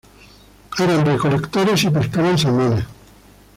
Eran recolectores, y pescaban salmones.